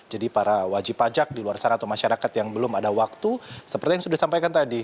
jadi para wajib pajak di luar sana atau masyarakat yang belum ada waktu seperti yang sudah disampaikan tadi